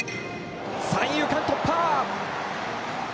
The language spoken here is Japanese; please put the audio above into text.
三遊間突破！